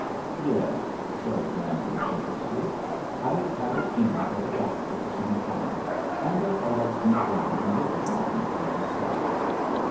"Yes," said Grantham sheepishly. "I've had it in for the doctor for some time, and I thought I'd sneak down and give him one while he slept."